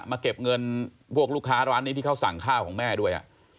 เก็บเงินพวกลูกค้าร้านนี้ที่เขาสั่งข้าวของแม่ด้วย